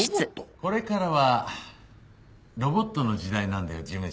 これからはロボットの時代なんだよ事務長。